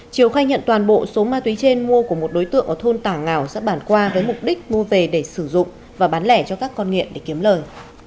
chiều khai nhận toàn bộ số ma túy trên mua của một đối tượng ở thôn tả ngào xã bản qua với mục đích mua về để sử dụng và bán lẻ cho các con nghiện để kiếm lời